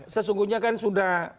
sesungguhnya kan sudah